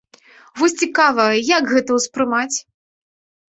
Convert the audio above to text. Вось цікава, як гэта ўспрымаць?